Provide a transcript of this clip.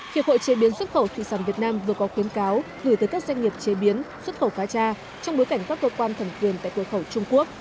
hiệp hội chế biến xuất khẩu thủy sản việt nam vừa có khuyến cáo gửi tới các doanh nghiệp chế biến xuất khẩu cá tra trong bối cảnh các cơ quan thẩm quyền tại cửa khẩu trung quốc